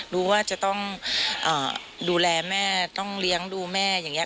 รู้ว่าจะต้องดูแลแม่ต้องเลี้ยงดูแม่อย่างนี้